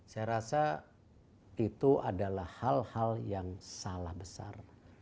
saya rasa itu adalah hal hal yang salah besar